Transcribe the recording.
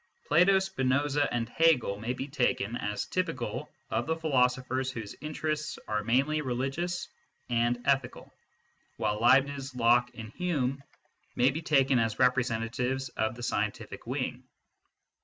Plato, Spinoza, and Hegel may be taken as typical of the philosophers whose interests are mainly religious and ethical, while Leibniz, Locke, and Hume may be taken as representatives of the scientific wing.